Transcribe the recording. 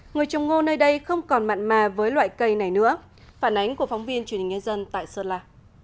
người trồng ngô nơi đây không còn mặn mà với loại cây này nữa phản ánh của phóng viên truyền hình nhân dân tại sơn la